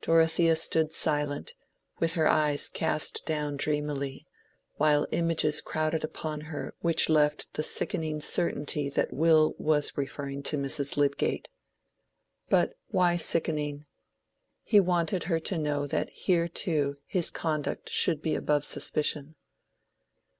Dorothea stood silent, with her eyes cast down dreamily, while images crowded upon her which left the sickening certainty that Will was referring to Mrs. Lydgate. But why sickening? He wanted her to know that here too his conduct should be above suspicion.